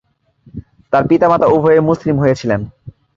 তাঁর পিতা-মাতা উভয়েই মুসলিম হয়েছিলেন।